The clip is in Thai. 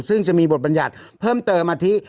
ซึ่งจะมีบทบัญญัติเพิ่มเติมมาที่